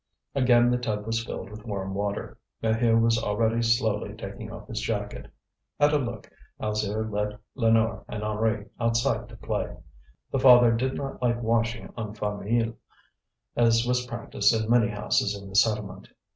Again the tub was filled with warm water. Maheu was already slowly taking off his jacket. At a look, Alzire led Lénore and Henri outside to play. The father did not like washing en famille, as was practised in many houses in the settlement.